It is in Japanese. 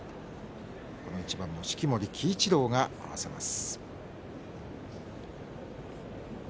この一番も式守鬼一郎が合わせます。